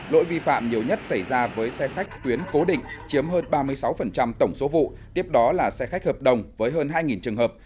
lỗi vi phạm nhiều nhất xảy ra với xe khách tuyến cố định chiếm hơn ba mươi sáu tổng số vụ tiếp đó là xe khách hợp đồng với hơn hai trường hợp